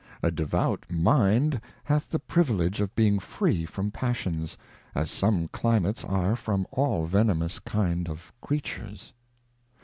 A devout Mind hath the Privilege of being free from Passions, as some Climates are from all venomous kind of Creatures.